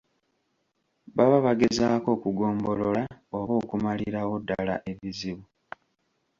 Baba bagezaako okugombolola oba okumalirawo ddala ebizibu.